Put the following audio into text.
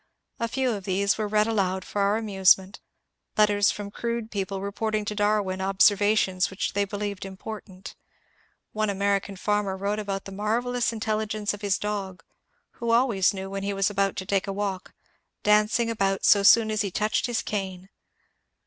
A few of these were read aloud for our amusement, letters from crude people reporting to Darwin observations which they believed important. One American farmer wrote about the marvellous intelligence of his dog, who always knew when he was about to take a walk, dancing about so soon as he touched his cane.